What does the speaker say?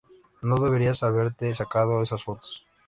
no deberías haberte sacados esas fotos